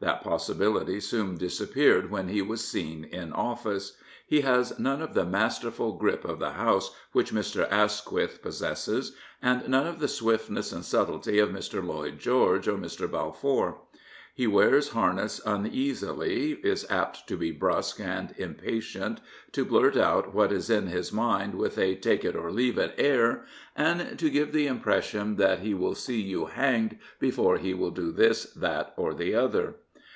That possibility soon disappeaired when he was seen in office. He has none of the masterful grip of the House which Mr. Asquith pos sesses and none of the swiftness and subtlety of Mr, Lloyd George or Mr. Balfour. He wears harness uneasily, is apt to be brusque and impatient, to blurt out what is in his mind with a " take it or leave it " air, and to give the impression that he will see you hanged before he will do this, that or the other.